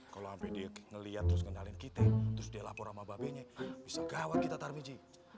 kalo sampe dia ngeliat terus ngenalin kita terus dia lapor sama babenya bisa gawat kita tarmiji